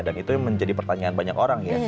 dan itu menjadi pertanyaan banyak orang